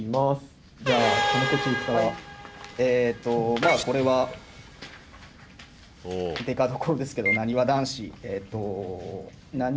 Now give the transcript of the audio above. まあこれはデカドコロですけどなにわ男子。